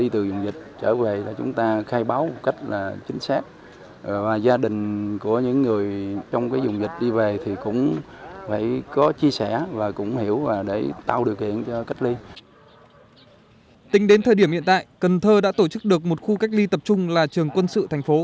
tính đến thời điểm hiện tại cần thơ đã tổ chức được một khu cách ly tập trung là trường quân sự thành phố